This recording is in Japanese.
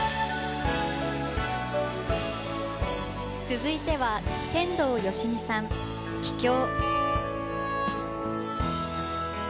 続いては天童よしみさん「帰郷」。